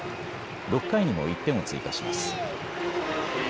６回にも１点を追加します。